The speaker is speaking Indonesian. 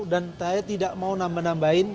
dan saya tidak mau menambahin